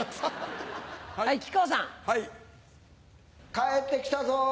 帰ってきたぞ。